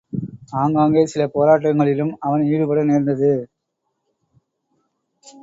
ஆங்காங்கே சில போட்டங்களிலும் அவன் ஈடுபட நேர்ந்தது.